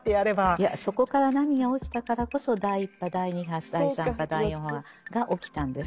いやそこから波が起きたからこそ第一波第二波第三波第四波が起きたんです。